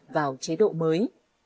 vào chế độ mới